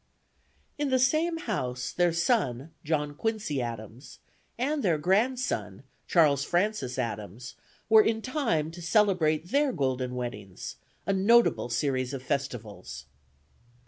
In the same house, their son, John Quincy Adams, and their grandson Charles Francis Adams, were in time to celebrate their golden weddings; a notable series of festivals.